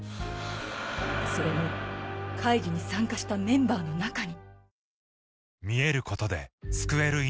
それも会議に参加したメンバーの中に